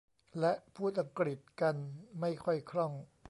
และพูดอังกฤษกันไม่ค่อยคล่อง